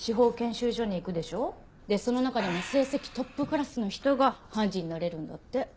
でその中でも成績トップクラスの人が判事になれるんだって。